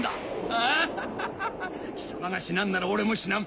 アッハハハ貴様が死なんなら俺も死なん！